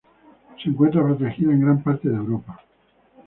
Se encuentra protegida en gran parte de Europa.